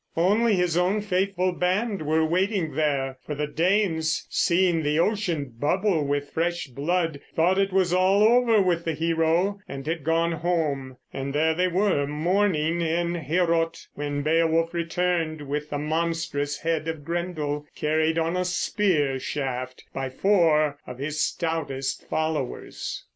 Only his own faithful band were waiting there; for the Danes, seeing the ocean bubble with fresh blood, thought it was all over with the hero and had gone home. And there they were, mourning in Heorot, when Beowulf returned with the monstrous head of Grendel carried on a spear shaft by four of his stoutest followers.